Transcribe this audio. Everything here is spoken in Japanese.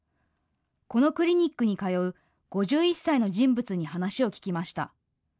このクリニックに通う５１歳の人物に話を聞きました。